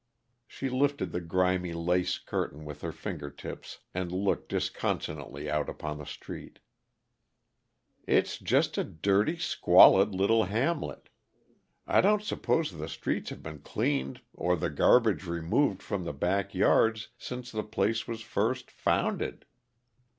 She lifted the grimy lace curtain with her finger tips and looked disconsolately out upon the street. "It's just a dirty, squalid little hamlet. I don't suppose the streets have been cleaned or the garbage removed from the back yards since the place was first founded."